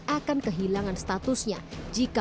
akan kehilangan statusnya jika